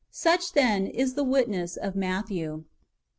Such, then, [is the witness] of Matthew.